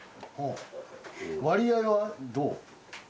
割合はどう？